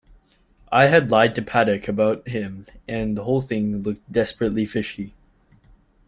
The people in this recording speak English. I had lied to Paddock about him, and the whole thing looked desperately fishy.